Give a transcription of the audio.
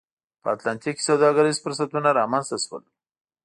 په اتلانتیک کې سوداګریز فرصتونه رامنځته شول.